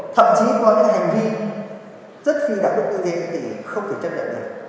thậm chí có những hành vi rất phi đạo đức như thế thì không thể chấp nhận được